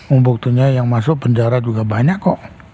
uang buktinya yang masuk penjara juga banyak kok